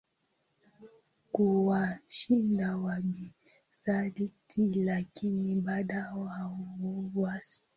kuwashinda Wabizanti lakini baada ya uhamisho wa